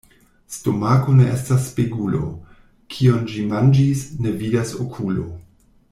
Stomako ne estas spegulo: kion ĝi manĝis, ne vidas okulo.